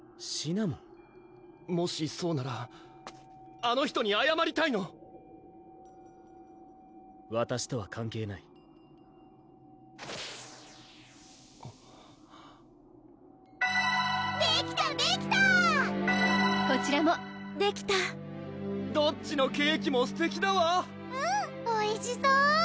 もしそうならあの人にあやまりたいのわたしとは関係ないできたできたこちらもできたどっちのケーキもすてきだわうんおいしそう！